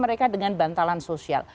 mereka dengan bantalan sosial